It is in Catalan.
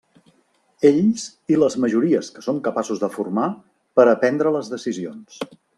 Ells i les majories que són capaços de formar per a prendre les decisions.